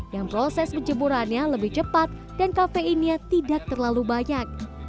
yang proses penjemurannya lebih cepat dan kafeinnya tidak terlalu banyak